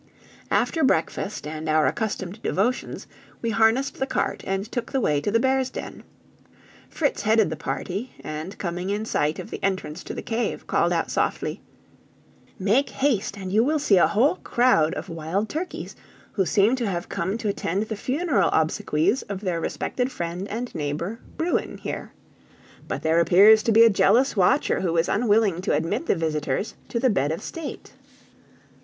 After breakfast, and our accustomed devotions, we harnessed the cart, and took the way to the bears' den. Fritz headed the party, and, coming in sight of the entrance to the cave, called out softly: "Make haste and you will see a whole crowd of wild turkeys, who seem to have come to attend the funeral obsequies of their respected friend and neighbor, Bruin, here. But there appears to be a jealous watcher who is unwilling to admit the visitors to the bed of state!"